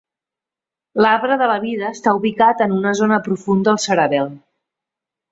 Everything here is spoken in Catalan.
L'arbre de la vida està ubicat en una zona profunda al cerebel.